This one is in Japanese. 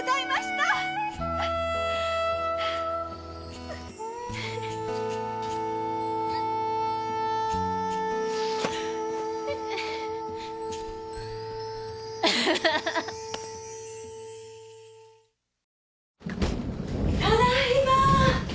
ただいま！